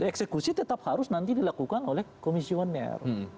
eksekusi tetap harus nanti dilakukan oleh komisioner